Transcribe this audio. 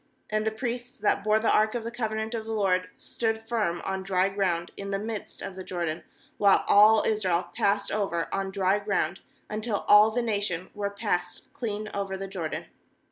17And the priests that bore the ark of the covenant of the LORD stood firm on dry ground in the midst of the Jordan, while all Israel passed over on dry ground, until all the nation were passed clean over the Jordan.